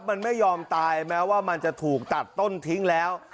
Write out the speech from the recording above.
มันไม่ยอมตายแม้ว่ามันจะถูกตัดต้นทิ้งแล้ว